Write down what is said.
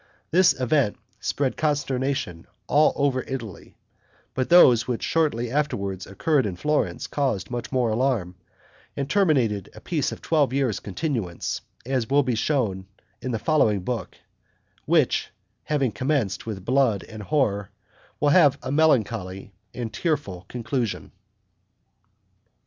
This event spread consternation all over Italy; but those which shortly afterward occurred in Florence caused much more alarm, and terminated a peace of twelve years' continuance, as will be shown in the following book; which, having commenced with blood and horror, will have a melancholy and tearful conclusion.